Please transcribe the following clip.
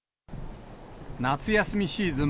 夏休みシーズン